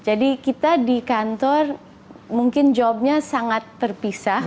jadi kita di kantor mungkin kerjaannya sangat terpisah